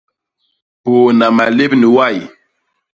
Pôôna malép ni way.